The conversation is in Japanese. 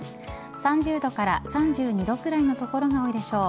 ３０度から３２度くらいの所が多いでしょう。